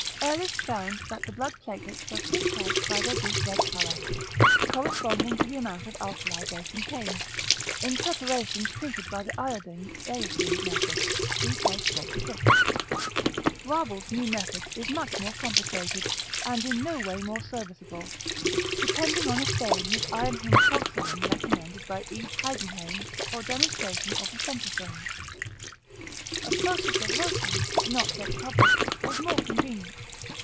Ehrlich found that the blood platelets were picked out by their deep red colour, corresponding to the amount of alkali they contain, in preparations treated by the iodine eosine method (see p. 46). Rabl's new method is much more complicated and in no way more serviceable, depending on a stain with iron hæmatoxylin recommended by E. Haidenhain for demonstration of the centrosomes. A process of Rosin's, not yet published, is more convenient.